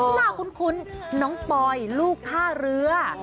หน้าคุ้นน้องปอยลูกท่าเรือ